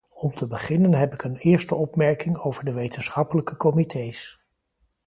Om te beginnen heb ik een eerste opmerking over de wetenschappelijke comités.